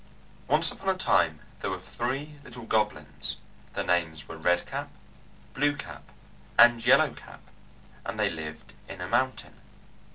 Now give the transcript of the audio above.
Once upon a time there were three little goblins. Their names were Red Cap, Blue Cap and Yellow Cap, and they lived in a mountain.